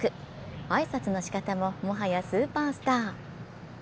挨拶の仕方も、もはやスーパースター。